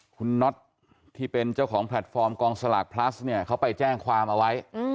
คุณน็อตที่เป็นเจ้าของแพลตฟอร์มกองสลากพลัสเนี่ยเขาไปแจ้งความเอาไว้